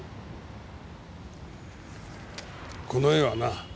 この絵はな